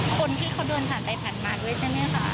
คนที่เขาเดินผ่านไปผ่านมาด้วยใช่ไหมคะ